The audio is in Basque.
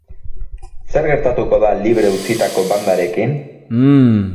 Zer gertatuko da libre utzitako bandarekin?